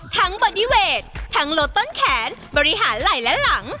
บอดี้เวททั้งโลต้นแขนบริหารไหล่และหลัง